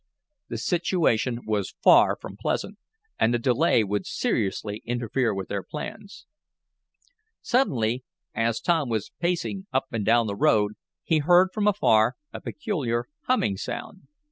The situation was far from pleasant, and the delay would seriously interfere with their plans. Suddenly, as Tom was pacing up and down the road, he heard from afar, a peculiar humming sound.